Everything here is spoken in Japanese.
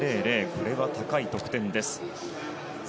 これは高い得点です。